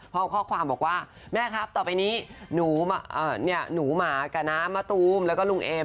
พร้อมข้อความบอกว่าแม่ครับต่อไปนี้หนูหมากับน้ามะตูมแล้วก็ลุงเอม